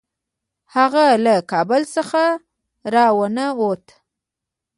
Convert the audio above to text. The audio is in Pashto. هغه له کابل څخه را ونه ووت.